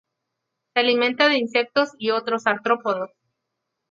Se alimenta de insectos y otros artrópodos.